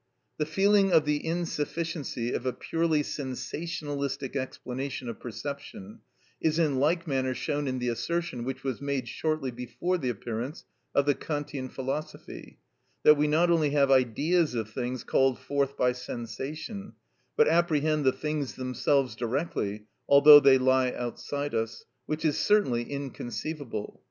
The feeling of the insufficiency of a purely sensationalistic explanation of perception is in like manner shown in the assertion which was made shortly before the appearance of the Kantian philosophy, that we not only have ideas of things called forth by sensation, but apprehend the things themselves directly, although they lie outside us—which is certainly inconceivable.